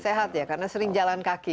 sehat ya karena sering jalan kaki